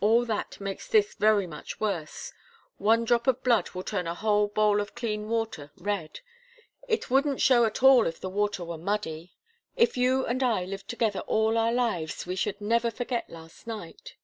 "All that makes this very much worse. One drop of blood will turn a whole bowl of clean water red. It wouldn't show at all if the water were muddy. If you and I lived together all our lives, we should never forget last night."